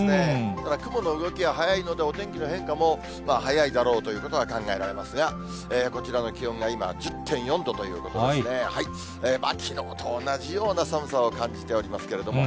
ただ雲の動きが速いので、お天気の変化もはやいだろうということが、考えられますが、こちらの気温が今、１０．４度ということでね、きのうと同じような寒さを感じておりますけれども。